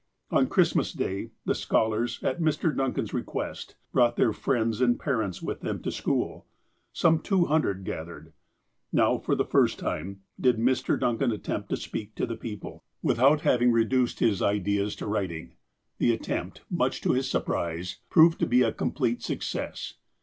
On Christmas Day, the scholars, at Mr. Duncan's re quest, brought their friends and parents with them to school. Some two hundred gathered. Now, for the first time, did Mr. Duncan attempt to speak to the people, with 136 THE APOSTLE OF ALASKA out having reduced his ideas to writing. The attempt, much to his surprise, proved to be a complete success.